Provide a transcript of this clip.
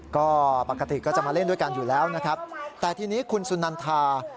ก็ปกติก็จะมาเล่นด้วยกันอยู่แล้วนะครับแต่ทีนี้คุณสุนันทา